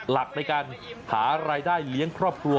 หลักในการหารายได้เลี้ยงครอบครัว